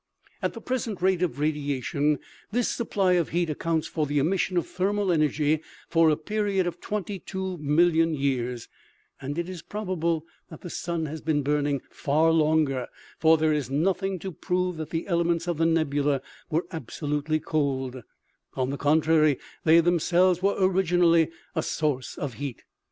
At the present rate of radiation, this supply of heat accounts for the emission of thermal energy for a period of 22,000,000 years, and it is probable that the sun has been burning far longer, for there is nothing to prove that the elements of the nebula were absolutely cold ; on the contrary they themselves were originally a source of heat.